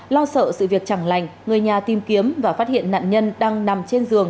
lo sợ sự việc chẳng lành người nhà tìm kiếm và phát hiện nạn nhân đang nằm trên giường